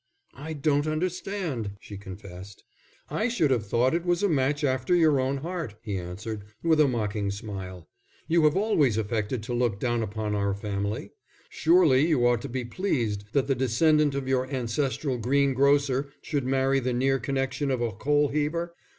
"I don't understand," she confessed. "I should have thought it was a match after your own heart," he answered, with a mocking smile. "You have always affected to look down upon our family. Surely you ought to be pleased that the descendant of your ancestral green grocer should marry the near connection of a coal heaver.